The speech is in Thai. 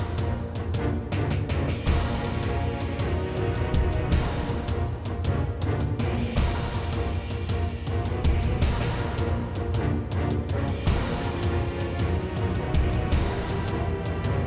ไม่ได้มีกฎระเบียบว่าอะไรไม่ใช่อะไรนะ